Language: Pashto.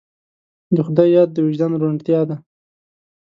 د خدای یاد د وجدان روڼتیا ده.